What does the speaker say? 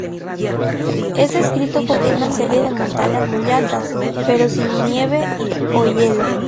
Es descrito como una serie de montañas muy altas, pero sin nieve o hielo.